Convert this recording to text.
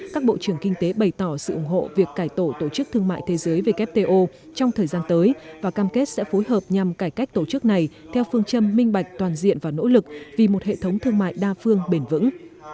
các bộ trưởng kinh tế bày tỏ sự ủng hộ việc cải tổ tổ chức thương mại thế giới wto trong thời gian tới và cam kết sẽ phối hợp nhằm cải cách tổ chức này theo phương châm minh bạch toàn diện và nỗ lực vì một hệ thống thương mại đa phương bền vững